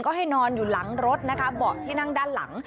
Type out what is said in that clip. ก็ให้นอนอยู่หลังรถนะคะเบาะที่นั่งด้านหลัง